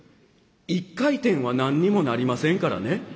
一回転は何にもなりませんからね」。